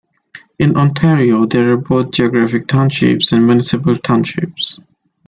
In Ontario, there are both geographic townships and municipal townships.